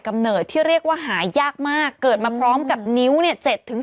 เนิดที่เรียกว่าหายากมากเกิดมาพร้อมกับนิ้วเนี่ย